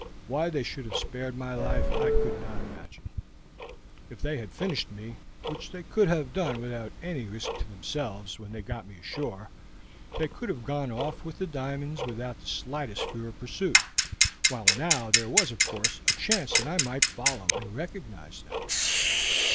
Why they should have spared my life I could not imagine. If they had finished me, which they could have done without any risk to themselves when they got me ashore, they could have gone off with the diamonds without the slightest fear of pursuit, while now there was, of course, a chance that I might follow and recognize them."